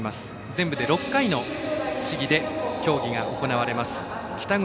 全部で６回の試技で競技が行われます。